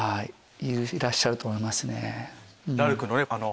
いらっしゃると思いますね。